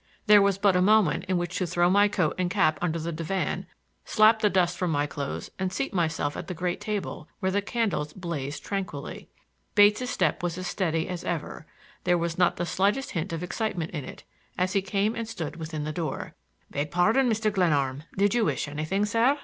There was but a moment in which to throw my coat and cap under the divan, slap the dust from my clothes and seat myself at the great table, where the candles blazed tranquilly. Bates' step was as steady as ever—there was not the slightest hint of excitement in it—as he came and stood within the door. "Beg pardon, Mr. Glenarm, did you wish anything, sir?"